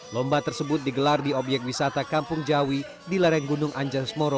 lomba tersebut digelar di obyek wisata kampung jawi di lareng gunung anjalsmoro